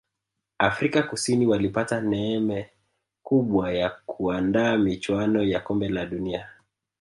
afika kusini walipata neeme kubwa ya kuandaa michuano ya kombe la dunia